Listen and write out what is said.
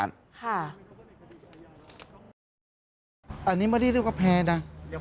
อันนี้ไม่ได้เรียกว่าแพ้นะ